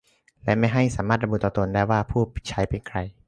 และไม่ให้สามารถระบุตัวตนได้ว่าผู้ใช้เป็นใคร